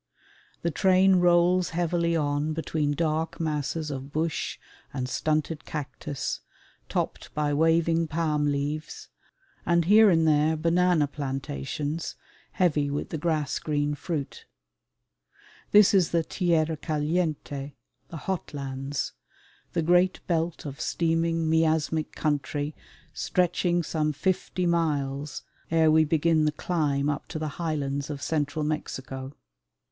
The train rolls heavily on between dark masses of bush and stunted cactus, topped by waving palm leaves, and here and there banana plantations, heavy with the grass green fruit. This is the tierra caliente, "the hot lands," the great belt of steaming miasmic country stretching some fifty miles ere we begin the climb up to the highlands of Central Mexico.